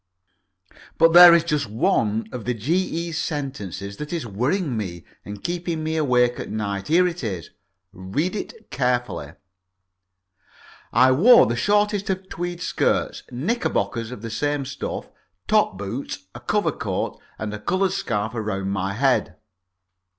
But there is just one of the G.E.'s sentences that is worrying me and keeping me awake at night. Here it is read it carefully: "I wore the shortest of tweed skirts, knickerbockers of the same stuff, top boots, a cover coat, and a coloured scarf round my head."